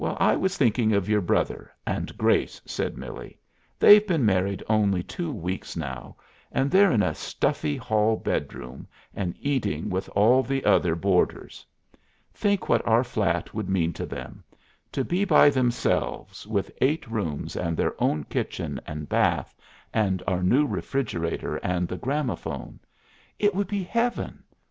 "I was thinking of your brother and Grace," said Millie. "They've been married only two weeks now, and they're in a stuffy hall bedroom and eating with all the other boarders. Think what our flat would mean to them; to be by themselves, with eight rooms and their own kitchen and bath, and our new refrigerator and the gramophone! It would be Heaven!